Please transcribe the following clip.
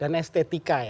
dan estetika ya